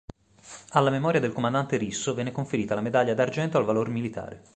Alla memoria del comandante Risso venne conferita la Medaglia d'argento al valor militare.